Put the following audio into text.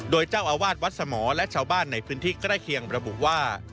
โดยเจ้าอาวาสวัดสมและชาวบ้านในพื้นที่ใกล้เคียงระบุว่า